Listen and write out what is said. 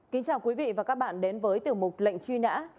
kính chào quý vị và các bạn đến với tiểu mục lệnh truy nã